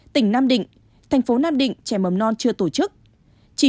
tỉnh nam định thành phố nam định trẻ mầm non chưa tổ chức